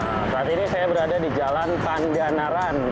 nah saat ini saya berada di jalan pangganaran